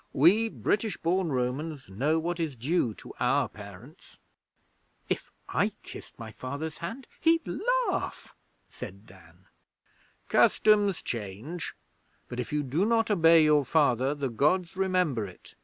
We British born Romans know what is due to our parents.' 'If I kissed my Father's hand, he'd laugh,' said Dan. 'Customs change; but if you do not obey your Father, the Gods remember it.